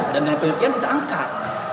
dan dari penelitian kita angkat